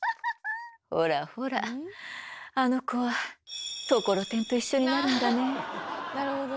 ほらほらあの子はところてんと一緒になるんだね。